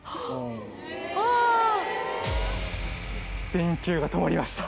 電球がともりました。